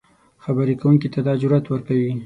خبرې کوونکي ته دا جرات ورکوي